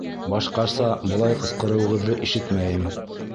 Башҡаса былай ҡысҡырыуығыҙҙы ишетмәйем.